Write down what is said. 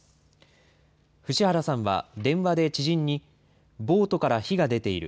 伏原さんは電話で知人に、ボートから火が出ている。